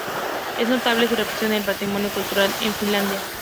Es notable su repercusión en el patrimonio cultural en Finlandia.